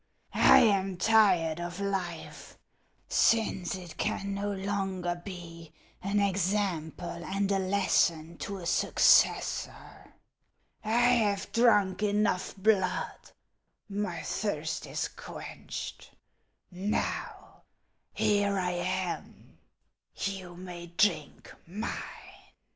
I a in tired of life, since it can no longer be an example and a lesson to a successor. I have drunk enough Wood ; my thirst is quenched. Now, here I am ; you ma3T drink mine."